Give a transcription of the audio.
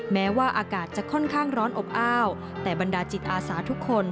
แม้ว่าอากาศจะค่อนข้างร้อนอบอ้าวแต่บรรดาจิตอาสาทุกคน